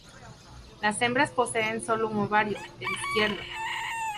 Las hembras poseen solo un ovario, el izquierdo.